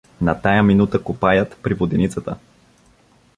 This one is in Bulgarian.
— На тая минута копаят при воденицата.